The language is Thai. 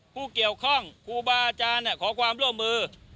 ผู้เกี่ยวข้องครูบาอาจารย์ขอความร่วมมือ